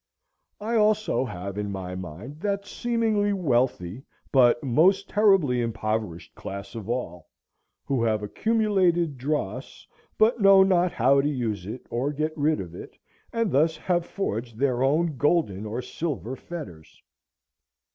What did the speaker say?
I also have in my mind that seemingly wealthy, but most terribly impoverished class of all, who have accumulated dross, but know not how to use it, or get rid of it, and thus have forged their own golden or silver fetters.